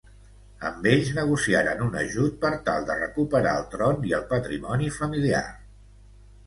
Amb ells negociaren un ajut per tal de recuperar el tron i el patrimoni familiar.